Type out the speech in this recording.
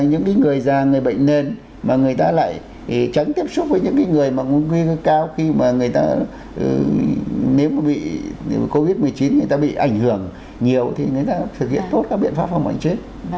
những người già người bệnh nền mà người ta lại tránh tiếp xúc với những người mà nguy cơ cao khi mà người ta nếu mà bị covid một mươi chín người ta bị ảnh hưởng nhiều thì người ta thực hiện tốt các biện pháp phòng bệnh chết